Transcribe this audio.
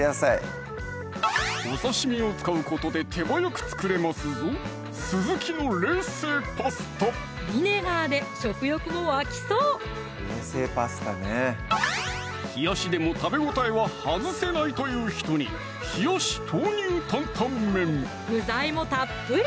お刺身を使うことで手早く作れますぞビネガーで食欲も湧きそう冷やしでも食べ応えは外せないという人に具材もたっぷり！